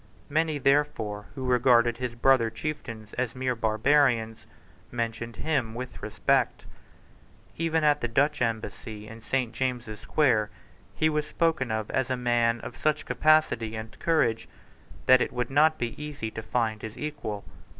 Many, therefore, who regarded his brother chieftains as mere barbarians, mentioned him with respect. Even at the Dutch Embassy in St. James's Square he was spoken of as a man of such capacity and courage that it would not be easy to find his equal.